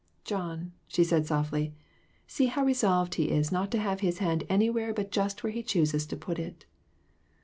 "John," she said softly, "see how resolved he is not to have his hand anywhere but just where he chooses to put it."